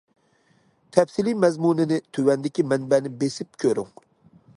تەپسىلىي مەزمۇنىنى تۆۋەندىكى مەنبەنى بېسىپ كۆرۈڭ.